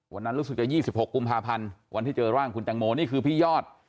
รู้สึกจะ๒๖กุมภาพันธ์วันที่เจอร่างคุณแตงโมนี่คือพี่ยอด